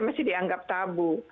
masih dianggap tabu